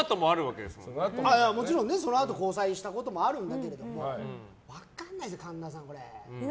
もちろんそのあと交際したこともあるんだけれども分からないですよ、神田さん。